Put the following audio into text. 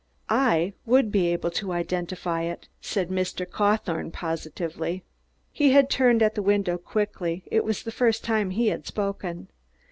"I would be able to identify it," said Mr. Cawthorne positively. He had turned at the window quickly; it was the first time he had spoken.